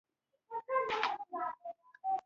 پر دوی تور پورې شو